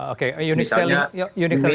oke unikseling apa ya